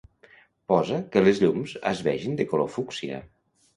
Posa que les llums es vegin de color fúcsia.